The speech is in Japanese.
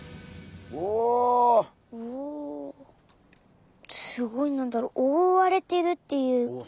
すごいなんだろうおおわれてるっていうよりなんか。